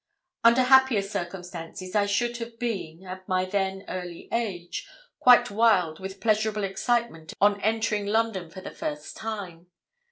Under happier circumstances I should have been, at my then early age, quite wild with pleasurable excitement on entering London for the first time.